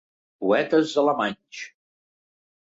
Poetes alemanys.